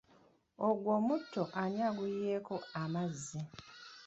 Ogwo omutto ani aguyiyeeko amazzi?